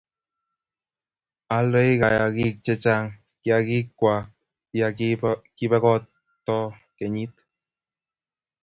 aldoi kayokik che chang' kiagik kwak ya kabekoto kenyit